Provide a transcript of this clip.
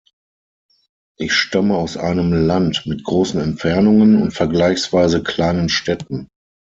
Ich stamme aus einem Land mit großen Entfernungen und vergleichsweise kleinen Städten.